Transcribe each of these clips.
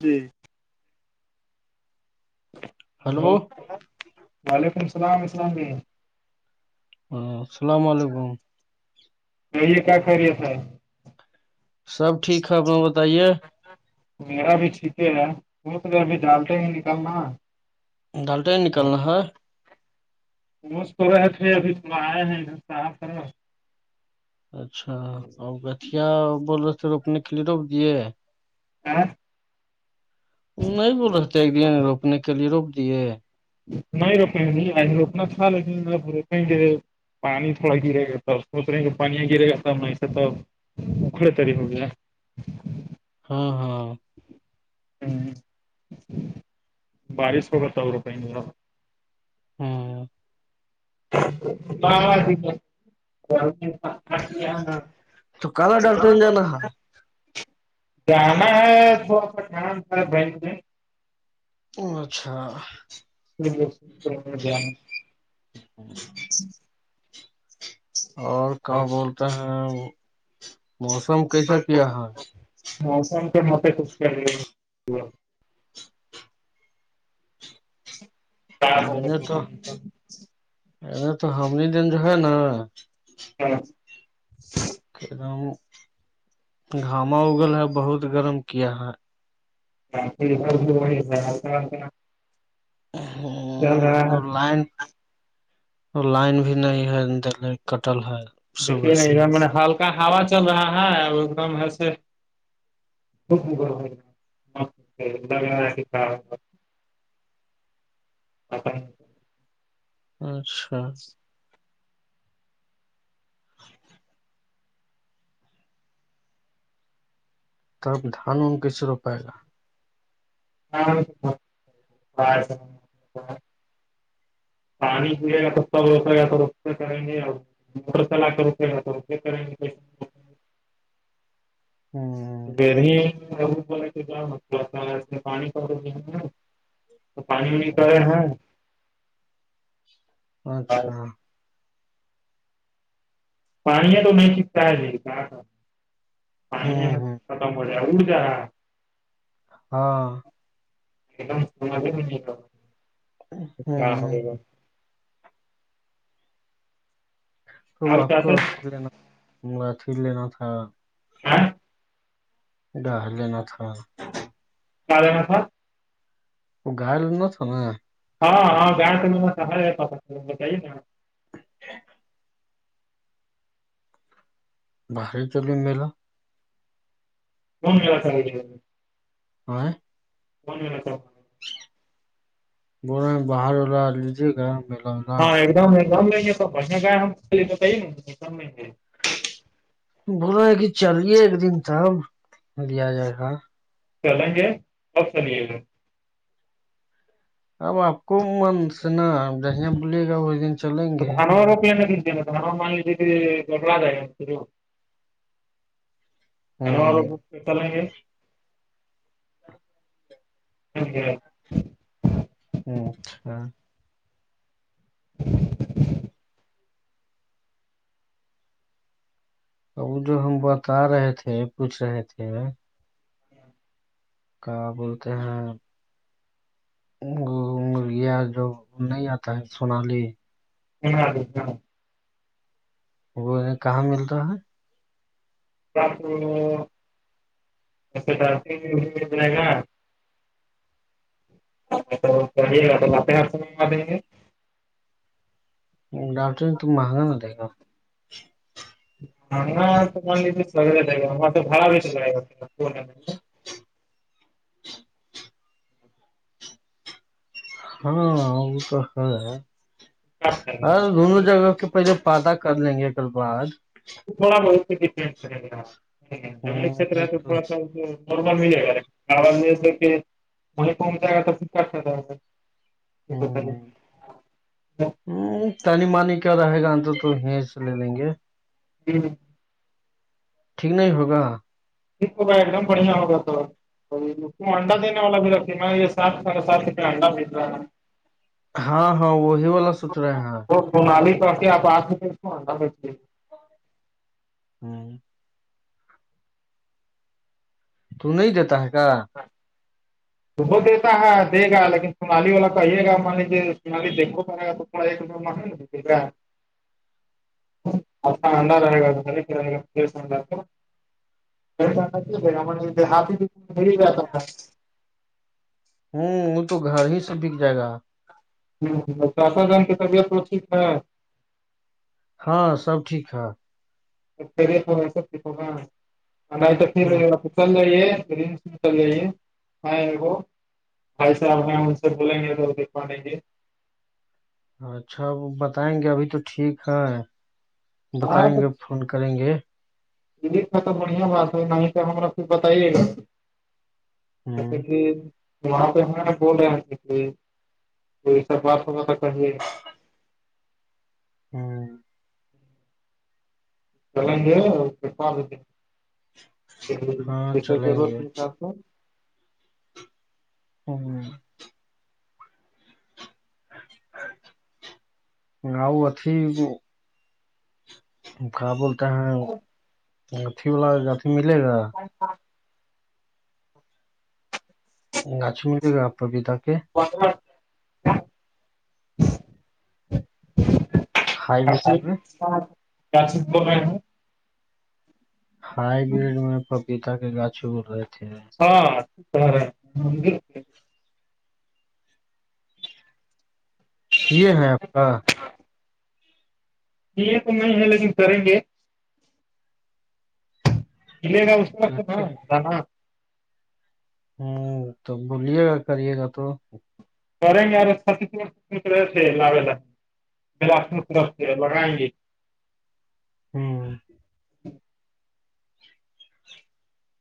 جی hello وعلیکم السلام السلام ع ہ السلام علیکم چیے کیا خرییے صاحب سب ٹھیک ہے بتائیے میرا بھی ٹھیکے ہے وہ تو ابھی ڈالتے ہی نکلنا ڈالٹا ہی نکلنا ہے وہش تو رہے تھے ابھی تو آئے ہیں اھر صف کرو اچھا اور گٹیا بول رہو تھ روپنے کے لیے روپ دیے ہاں نہیں بول رہ تھ ایک دن روکنے کے لیے روپ دیے نہیں روکیں گ نہیں روکنا چال ہےگ پ گے پانی تھوڑا گرے گا تب سوچ رہے کہ پانییاں گرے گا تب نہیںسے توب اکڑ تری ہوگین ہاں ہاں ہوں بارش کو بتا ہو روپئے ما ہاں [unintelligible] تو کالا ڈالٹر جانا ہےا جانا ہے تھوڑا سا ان تھا بینک میں ا اچھا [unintelligible] ہاں اور کیا بولتے ہیں موسم کیسا کیاا ہے موسم تو متے خوش لگے [unintelligible] ا تو ہم دن جو ہے نا ہاں ایک دم گھاما اگل ہے بہت گرم کیا ہے ن ہ وہ ہے لائن لائن بھی نہیں ہے کٹل ہے صبح دیکھیے ن ایک سے دم ہلکا ہوا چل رہا ہے ا ایک دمسے [unintelligible] اپن اچھا [unintelligible] تب دھان ان کیسے رو پائے گا ہاں ج پانی پے گا سستا ب ہوتا تو رتا کریں گے اور مٹ س لاکھ روپئےپ ہ گمی پ کیا مسلہ تھا پانی پ تو پانی بھی کرے ہیں اور اچھا پانی تو میں چتا ہے کیا کر پانی ہ ختم ادا ہاں [unintelligible] کیا ہوں ہوگا تو اور آپ کو کیسے اچھیر لینا ما اچھیر لینا تھا ا ڈر لینا تھا چال م تھا وہ گائےل ن تھا نا ہاں ہاں ج س سہارے پ بتائیے نا [unintelligible] باہر چلیے میلا بن کیاا سگجے آ بن ما تھا بول رہ باہر واللا لیجیے گا میلا ولا ہاں ایک دم دم لیں گے تو بڑیا گ ہم تو لیں گ بلا ہے کہ چلیے ایک دن تب ل آ جائے گا چلیں گے اورب چلیے گا اب آپ کو من سناا دیا بلیے گا اس دن چلیں تو گے دان روپ نہیں د مے گلہ جائے گ ہوں ب چلیں گے ہوں ہاں وہ جو ہم بتا رہے تھے پوچھ رہے تھے کیا بولتے ہیں یا جو نہیں آتا ہے سونالی [unintelligible] وہ کہاں ملتا ہے [unintelligible] [unintelligible] کرے گا تو آاتپ ہیں ہپ سے منگا دیں گے ڈاٹ تو مہگا دیک گا ہاں تو م سے گا با بھی گائی پ [unintelligible] ہاں وہ تو آر دونوں جگہ کے پہلے پدہ کر لیں گے کل بعار تھوڑا بہت ڈپینڈ کرے گا گام ہے تو تھوڑا س م م جائے گا کار م دے م کن جگا تو ف جائے گ ہے ھیک سر ہ تانی مانی کیا رہے گا ان تور تو یہ سے لے لیں گے جی ٹھیک نہیں ہوگا ہوگا ایک دم بڑھیا ہوگا س انڈا دینے والا بھی ر یہ سپ ساپ ہڈا م رہا نا ہاں ہاں وہی والا ست رہا ہے منالی توڑ کے آپ آ کے کےواناچ ہوں تو نہیں دیتا ہے کیا تو وہ دیتا ہے دے گا لیکن سونالی والا توئیے گا مان لیجیے سونالی دیکھو پڑے گا تو م م [unintelligible] اپنا انڈر رہے گا رہے گاڈ ہات گیا تھا ہوں وہ تو گھر ہی سے بک جائے گا ہ چاشا جان کی طبیعت تو ٹھیک ہے ہاں سب ٹھیک ہے سگا نہیں تو پھر ہوں چلنا چ جے میں بھائی صاحب نے ان سے بولیں گے تو دیکھ پیں گے اچھا ا بتائیں گے ابھی تو ٹھیک ہے بتائیں گے فون کریں گے یہکھا تو بڑھیا بات ہے نہیں تو ہما پھر بتائیے گا ہوں اے وہاں پہ ہم نے بولے ہیں کو ای سا بات ہوا تو کہیے ہوں چلیں گے ہاں چلیں جےضرورت گے ت س کو ہ ہ آؤ اتھی کیا بولتے ہیں اھی وال کا گھی ملے گا اچا گاچ ملے گپ پ بھی تا کے [unintelligible] ہائی بریڈ میں [unintelligible] ہائی برڈ میں پپیتا کے گاچھ بول رہے تھے ہاں رہ [unintelligible] ک ہیں آپ کا ہاں یہ تو نہیں ہے لیکن کریں گے کلے گا اسسار س نا کریے دنا ہوں تو بولیے گا کرے گا تو کریں گےے تھےا اپنی طرف سے لگائیں گے ہوں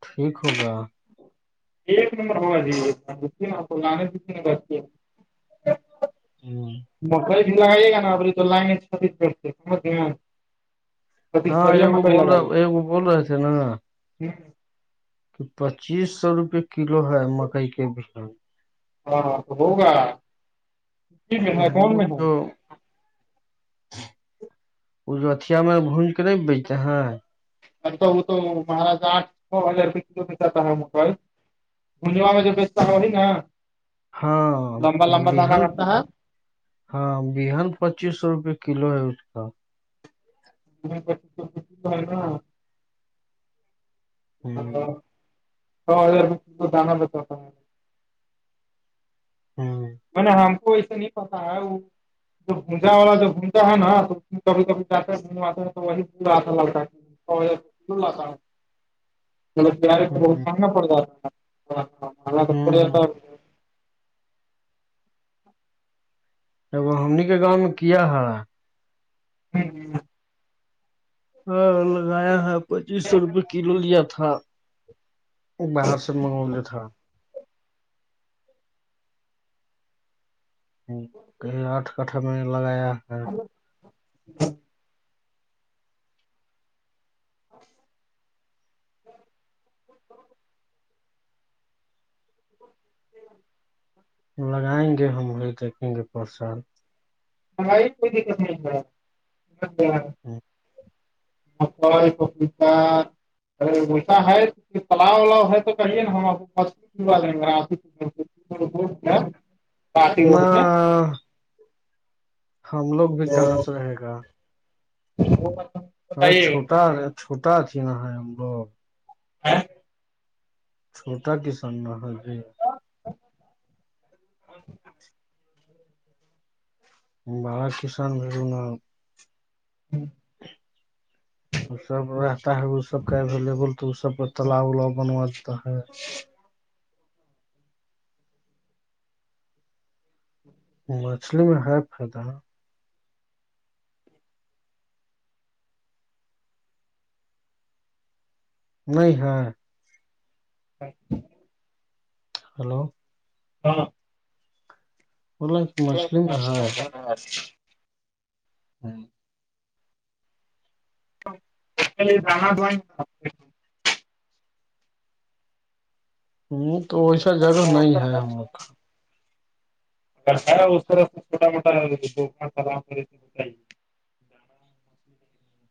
ٹھیک ہوگا ایک نمبر ہوا جےانےتنے ب ہ مکری بھی لگائیے گا نا بپے تو لائےتی بیھتے سمج گ ہاںگ بول لگائیے رہا بول رہے تھے نا ہ کہ پچیس سو روپ کلو ہے مکئی کے بھی ہاں تو ہوگا میں ہے کون وہ میں ہے جو وہ جو اتیا میں بھج کے نہیں بیجتے ہیں ا تو وہ تو مہاراج آٹ س ہزار روپئے کلو بی ہے موٹائل م جواں مجھے بیستتا ہوی نا ہاں لمبا لمبا دانا بہان رہتا ہے ہاں بہن پچیس سو روپے کلو ہے اس کا نا ہوں سو ہزار رو کو دانا بتاتا ہے ہوں میں نے ہم کو ایسا نہیں پتا ہے وہ تو گونجا والا جوب گھومتا ہے نا تو کبھی کبھی جاتے ہے گھومے ہیں تو وہی پورا آا لگتا ہے اور تلہ س چ پار ہوں توا پڑتا پ ہوں ہوں ا ہمن کے گاؤں میں کیا ہے ہوں ہ ہاں لگایا ہے پچیس سو روپئے کلو لیا تھا وہ باہر سے منگاو لیے تھا کہ آٹھ کٹھا میں لگایا ہے [unintelligible] لگائیں گے ہم وہیں دیکھیں گے پرساد کوئی دقت نہیں ہ نپال ککتاہ وہشا ہے تلاؤ ولاؤ ہے تو کہیے نا ہم اد نہ ہم لوگ بھی کہاں سے رہے گا وہ متا ا چھوٹا چھوٹاچھی نا ہم لوگ ہ چھوٹا کسان نہ ہے جی اچھا [unintelligible] بارا کسان ملنا ہوں وہ سب رہتا ہے وہ سب کا اویلیبل تو اس سب کا تالاب الاؤ بنوا دیتا ہے ہچ مچھلی میں ہے فائدہ نہیں ہےاں ا ہلو ہاں بولا کہ مچھلی میں ہے [unintelligible] ہاں [unintelligible] ہ تو ویسا جگہ نہیں ہے ہمار اگر ا اس طرح س چوٹا موٹا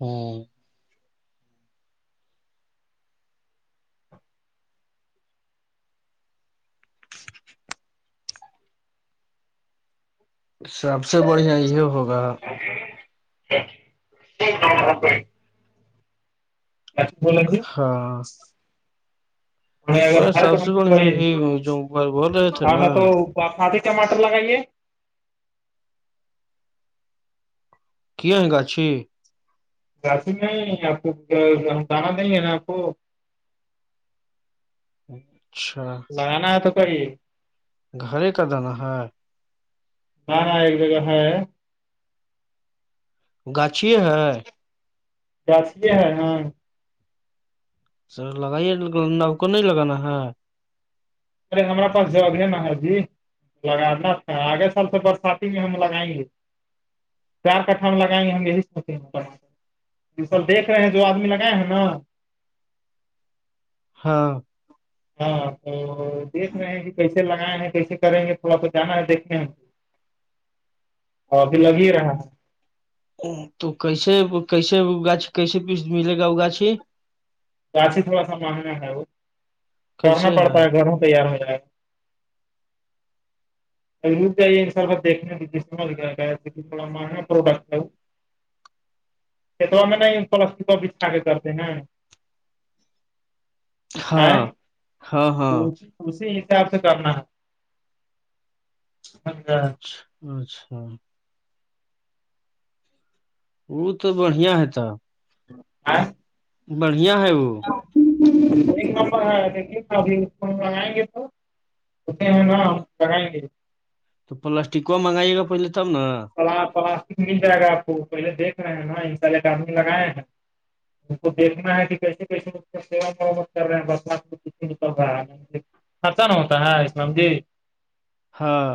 ہوں سب سے بڑھیا یہ ہوگا [unintelligible] کیا بلا تھے ہاں اگر وہ بر سب پن سے تو بڑھیا ہے یہی جو بول رہے تھے ہم میں نا تو تو آپ ہاتھی ٹماٹر لگائیے ک ایں گ اچ راس میں آپ کو ہم جانا دیں گے نا آپ کو اچھا لگانا آ تو کوئی گھرے کا دانا ہے ہاں ہاں ایک جگہ ہےاں ہے گاچھیے ہے جسیے ہے ہاں سر لگائیے نب کو نہیں لگانا ہے ارے ہمارا پاس جگ ہے نہ ہر جی لگانا تھا آگے سال سے برساتی میں ہم لگائیں گے چار کٹھا لگائیں گے ہم یہی سوچ ج سر دیک رہے ہیں جو آدمی لگائے ہیں نا ہاں ہاں تو دیکھ رہے ہیں کہ کیسے لگائے ہیں کیسے کریں گے تھوڑا س جانا ہے دیکھ ہیں اور ابھی لگ ہی رہا ا تو کیسے کیسے گ کیسے پیس ملے گا وہ گاچھی اچھ ہی تھوڑا سا مانگنا ہے وہ کرنا پڑتا ہے گھروں تیار ہو جائے گا دا منگا پروڈٹ ہے کتوا میں نہیں کرتے ہیں نا ہاں ہاں ہاں اس اسی حساب سے کرنا ہے ہے اچھا اچھا وہ تو بڑھیا ہےتا آ بڑھیا ہے وہ ایک نمبر ہے دیکھیے ابھی اس کو مگائیں گے تو ک کر تو پلاسٹک کا منگائیے گا پہلے تب نا پلاسٹک مل جائے گا آپ کو پہلے دیک رہے ہیں نا انا الے گ آد لگائے ہیں ان کو دیکنا ہے کہ کیسے کیسے سوا محت کر رہے ہیں بات کچ ن کرل رہا ہے خرچا نہ ہوتا ہے اسلام جی ہاں